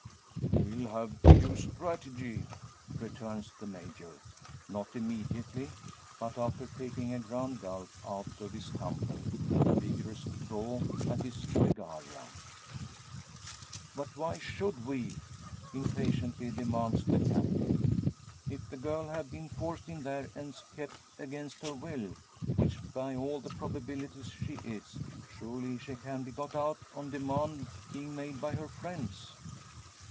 "We'll have to use strategy," returns the Major; not immediately, but after taking a grand gulp out of his tumbler, and a vigorous draw at his regalia. "But why should we?" impatiently demands the Captain. "If the girl have been forced in there, and's kept against her will which by all the probabilities she is surely she can be got out, on demand being made by her friends?"